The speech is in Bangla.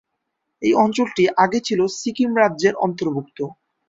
এই অঞ্চলটি আগে ছিল সিকিম রাজ্যের অন্তর্ভুক্ত।